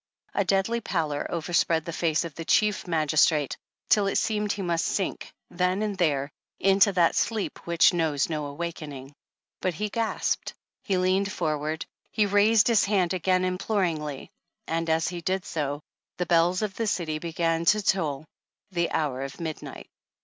A deadly pallor overspread the face of the Chief Magistrate till it seemed he must sink then and there into that sleep which knows no awakening, but he gasped, he leaned forward, he raised his hand again imploringly, and as he did so, the bells of the city began to toll the hour of midnight.